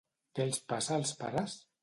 Què els passa als pares?